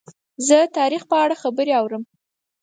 زه د تاریخ په اړه خبرې اورم.